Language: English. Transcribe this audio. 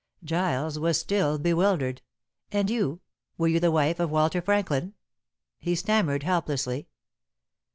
Giles was still bewildered. "And you were you the wife of Walter Franklin?" he stammered helplessly.